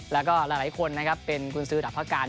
แล้วก็หลายคนนะครับเป็นกุญสือดับพระการ